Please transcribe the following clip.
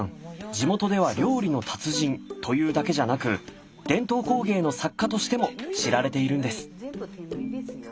地元では料理の達人というだけじゃなく伝統工芸の作家としても知られているんです。